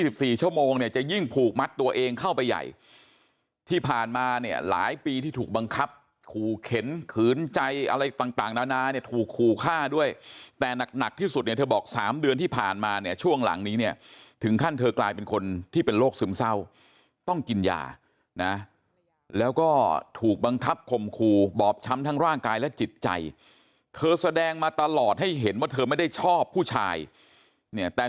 ผ่านมาเนี่ยหลายปีที่ถูกบังคับขู่เข็นขืนใจอะไรต่างนานาเนี่ยถูกขู่ฆ่าด้วยแต่หนักที่สุดเนี่ยเธอบอก๓เดือนที่ผ่านมาเนี่ยช่วงหลังนี้เนี่ยถึงขั้นเธอกลายเป็นคนที่เป็นโรคซึมเศร้าต้องกินยานะแล้วก็ถูกบังคับข่มขู่บอบช้ำทั้งร่างกายและจิตใจเธอแสดงมาตลอดให้เห็นว่าเธอไม่ได้ชอบผู้ชายเ